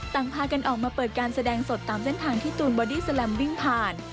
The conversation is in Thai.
พากันออกมาเปิดการแสดงสดตามเส้นทางที่ตูนบอดี้แลมวิ่งผ่าน